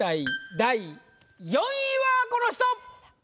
第４位はこの人！